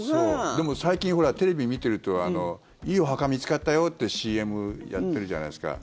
でも最近、テレビ見てるといいお墓、見つかったよってＣＭやってるじゃないですか。